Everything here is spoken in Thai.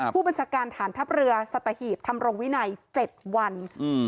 ผู้บัญชาการทหารทัพเรือสตหิตทำรงวินัยเจ็ดวันอืม